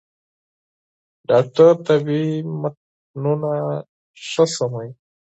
ډاکټر طبي متنونه ښه سموي.